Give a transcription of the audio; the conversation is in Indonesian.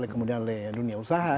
kemudian oleh dunia usaha